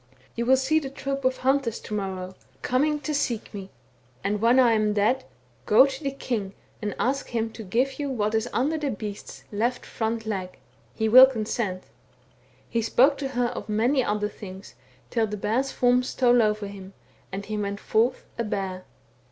You will see the troop of hunters to morrow coming to 26 THE BOOK OF WERE WOLVES. seek me ; and when I am dead go to the king, and ask him to give you what is under the beast's left front leg. He will consent.' He spoke to her of many other things, till the bear's form stole over him, and he went forth a bear.